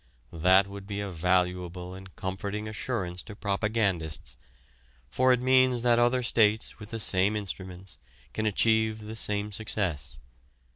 That would be a valuable and comforting assurance to propagandists, for it means that other states with the same instruments can achieve the same success.